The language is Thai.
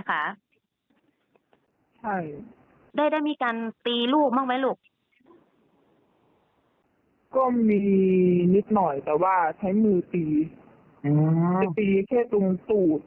นิดนิ้นน่อนแต่ว่าใช้มือตีมันตีแค่ฟรุ้มตูด